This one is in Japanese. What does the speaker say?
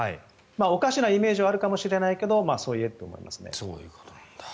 おかしなイメージはあると思いますがそう言えると思いますね。